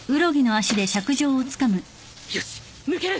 よし抜ける！